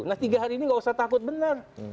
nah tiga hari ini gak usah takut benar